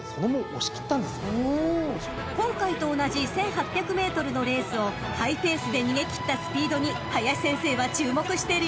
［今回と同じ１，８００ｍのレースをハイペースで逃げ切ったスピードに林先生は注目してるようです］